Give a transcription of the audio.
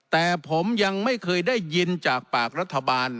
แต่ผมยังไม่เคยได้ยินจากปากรัฐบาล